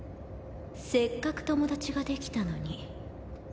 せっかく友達ができたのに。